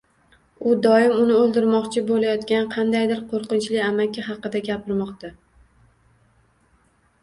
U doimo uni o‘ldirmoqchi bo‘layotgan qandaydir qo‘rqinchli amaki haqida gapirmoqda.